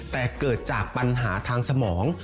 แต่เกิดจากปัญหาทางสมอง